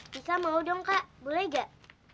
bisa mau dong kak boleh gak